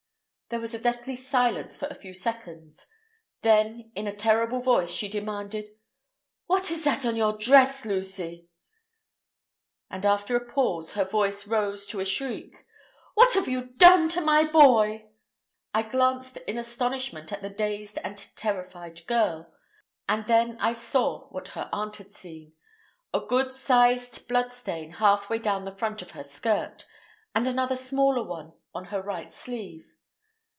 There was a deathly silence for a few seconds. Then, in a terrible voice, she demanded: "What is that on your dress, Lucy?" And, after a pause, her voice rose into a shriek. "What have you done to my boy?" I glanced in astonishment at the dazed and terrified girl, and then I saw what her aunt had seen—a good sized blood stain halfway down the front of her skirt, and another smaller one on her right sleeve.